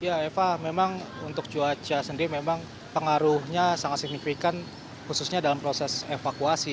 ya eva memang untuk cuaca sendiri memang pengaruhnya sangat signifikan khususnya dalam proses evakuasi